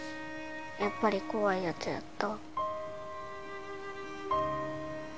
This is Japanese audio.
やっぱり怖いやつやった？